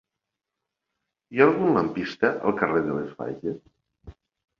Hi ha algun lampista al carrer de les Fages?